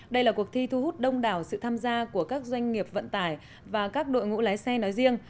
đây là cuộc thi thu hút đông đảo sự tham gia của các doanh nghiệp vận tải và các đội ngũ lái xe nói riêng